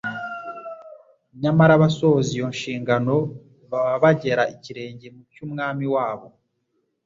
Nyamara abasohoza iyo nshingano baba bagera ikirenge mu cy'Umwami wabo.